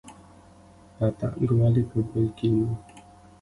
پتنګ ولې په ګل کیني؟